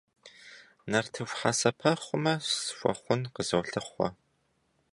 Нартыху хьэсэпэхъумэ схуэхъун къызолъыхъуэ.